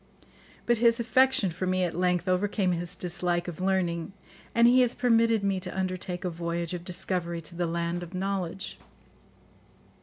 But his affection for me at length overcame his dislike of learning, and he has permitted me to undertake a voyage of discovery to the land of knowledge."